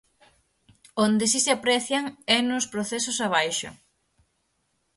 Onde si se aprecian é nos procesos abaixo.